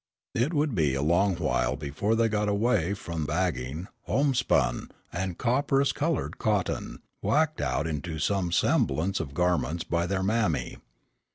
It would be a long while before they got away from bagging, homespun, and copperas colored cotton, whacked out into some semblance of garments by their "mammy."